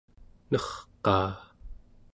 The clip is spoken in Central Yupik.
nerqaa